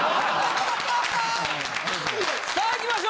さあいきましょう。